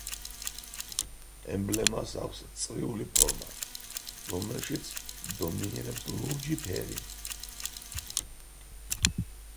ემბლემას აქვს წრიული ფორმა რომელშიც დომინირებს ლურჯი ფერი.